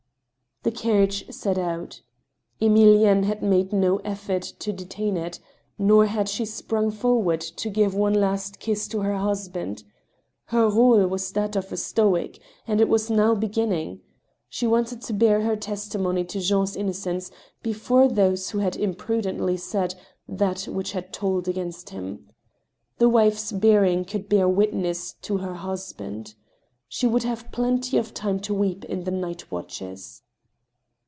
The carriage set out. Emilienne had made no effort to detain it ; nor had she sprung forward to give one last kiss to her husband. Her rdU was to be that of a Stoic, and it was now beginning. She wanted to bear her testimony to Jean's innocence before those who had imprudently said that which had told against him. The wife's bearing should bear witness lor her husband. She would have plenty of time to wAp in the night watches.